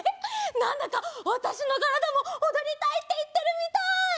なんだかわたしのからだもおどりたいっていってるみたい！